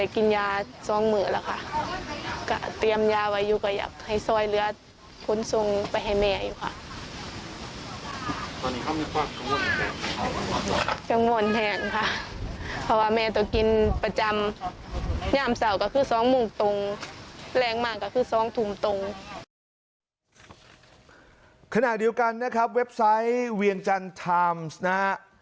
ขนาดเดียวกันนะครับเว็บไซต์เวียงจันทร์ไทมส์นะครับ